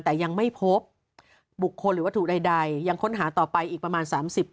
แต่ยังไม่พบบุคคลหรือวัตถุใดยังค้นหาต่อไปอีกประมาณ๓๐